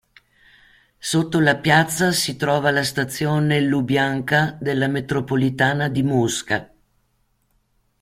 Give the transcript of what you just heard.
Sotto la piazza si trova la stazione Lubjanka della metropolitana di Mosca.